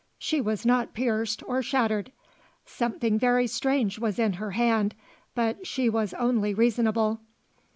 She was not pierced or shattered. Something very strange was in her hand, but she was only reasonable.